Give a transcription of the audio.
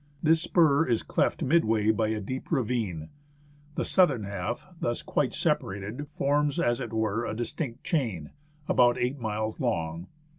This spur is cleft midway by a deep ravine. The southern half, thus quite separated, forms as it were a distinct chain, about eight miles long.